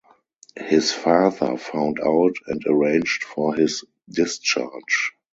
His father found out and arranged for his discharge.